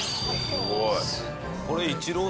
すごい。